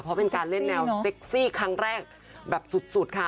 เพราะเป็นการเล่นแนวเซ็กซี่ครั้งแรกแบบสุดค่ะ